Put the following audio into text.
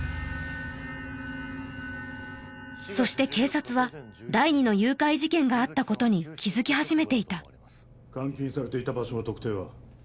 そして警察は第二の誘拐事件があったことに気づきはじめていた監禁されていた場所の特定は？